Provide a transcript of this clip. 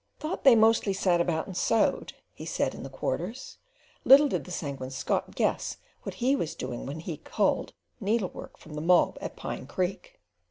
"Thought they mostly sat about and sewed," he said in the quarters. Little did the Sanguine Scot guess what he was doing when he "culled" needlework from the "mob" at Pine Creek.